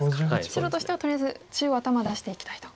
白としてはとりあえず中央頭出していきたいと。